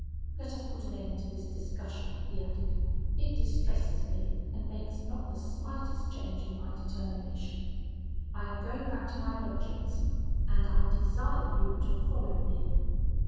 Let us put an end to this discussion' he added; 'it distresses me, and makes not the slightest change in my determination: I am going back to my lodgings, and I desire you to follow me.'